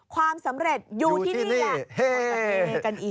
ความสำเร็จอยู่ที่นี่